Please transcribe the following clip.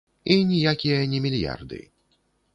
І ніякія не мільярды.